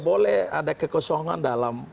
boleh ada kekosongan dalam